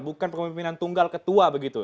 bukan pemimpinan tunggal ketua begitu